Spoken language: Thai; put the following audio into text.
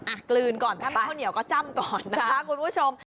กลืนก่อนถ้าเป็นข้าวเหนียวก็จ้ำก่อนนะคะคุณผู้ชม